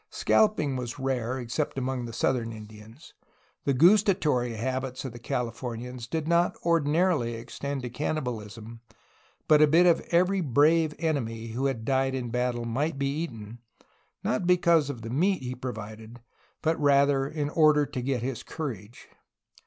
Scalping was rare, except among the southern Indians. The gustatory habits of the Californians did not ordinarily extend to cannibalism, but a bit of a very brave enemy who had died in battle might be eaten — ^not because of the meat he provided, but, rather, in order to get his courage.